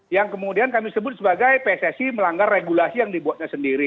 yang kemudian kami sebut sebagai pssi melanggar regulasi yang dibuatnya sendiri